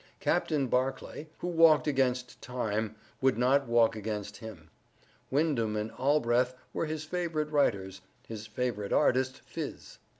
Captain Barclay, who walked against Time, would not walk against him. Windham and Allbreath were his favorite writers,—his favorite artist, Phiz.